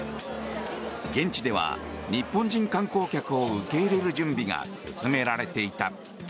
現地では日本人観光客を受け入れる準備が進められていた。